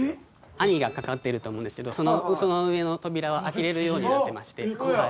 網がかかっていると思うんですけどその上の扉は開けれるようになってまして。